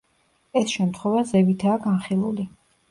ეს შემთხვევა ზევითაა განხილული.